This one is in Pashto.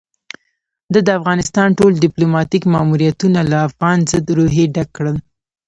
ده د افغانستان ټول ديپلوماتيک ماموريتونه له افغان ضد روحيې ډک کړل.